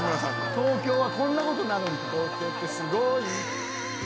東京はこんなことなるんか。